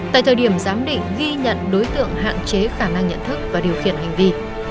tại thời điểm giám định ghi nhận đối tượng hạn chế khả năng nhận thức và điều khiển hành vi